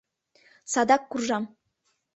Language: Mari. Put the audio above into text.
«Садак куржам!